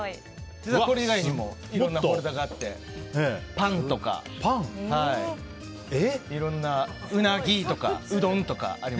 これ以外にもいろんなフォルダがあってパンとか、ウナギとかうどんとかあります。